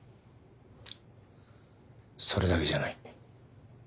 それだけじゃない。